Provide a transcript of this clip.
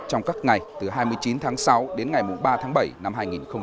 trong các ngày từ hai mươi chín tháng sáu đến ngày ba tháng bảy năm hai nghìn hai mươi